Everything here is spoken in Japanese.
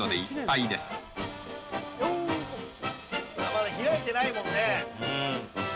まだ開いてないもんね。